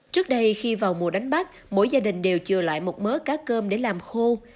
trước đây khi vào mùa đánh bắt mỗi gia đình đều chừa lại một mớ cá cơm để làm khô